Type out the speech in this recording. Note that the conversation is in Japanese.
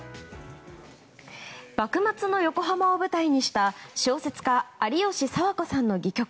幕末の横浜を舞台にした小説家・有吉佐和子さんの戯曲